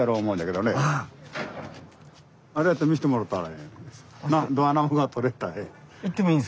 あれだったら見してもろたらええ。